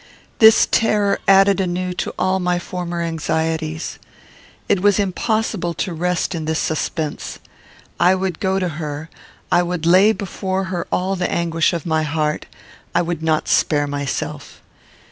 This terror added anew to all my former anxieties. It was impossible to rest in this suspense. I would go to her; I would lay before her all the anguish of my heart; I would not spare myself.